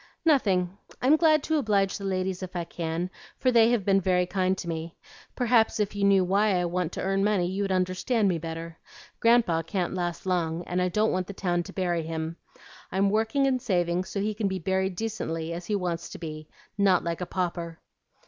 "Nothing. I'm glad to oblige the ladies if I can, for they have been very kind to me. Perhaps if you knew why I want to earn money, you'd understand me better. Grandpa can't last long, and I don't want the town to bury him. I'm working and saving so he can be buried decently, as he wants to be, not like a pauper."